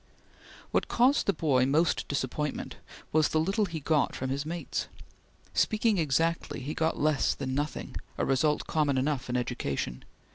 What caused the boy most disappointment was the little he got from his mates. Speaking exactly, he got less than nothing, a result common enough in education.